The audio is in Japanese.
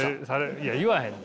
いや言わへんで。